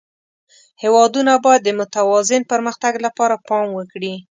هېوادونه باید د متوازن پرمختګ لپاره پام وکړي.